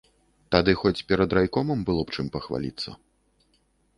Тады хоць перад райкомам было б чым пахваліцца.